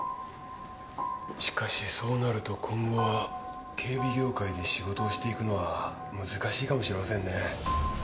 しかしそうなると今後は警備業界で仕事をしていくのは難しいかもしれませんね。